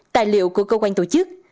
tài liệu của cơ quan tổ chức